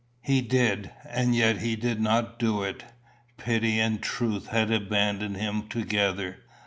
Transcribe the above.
"He did; and yet he did not do it. Pity and truth had abandoned him together.